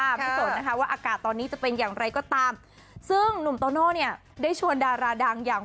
ไม่สนนะคะว่าอากาศตอนนี้จะเป็นอย่างไรก็ตามซึ่งหนุ่มโตโน่เนี่ยได้ชวนดาราดังอย่าง